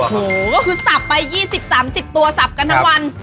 โอ้โหก็คือสับไป๒๐๓๐ตัวสับกันทั้งวัน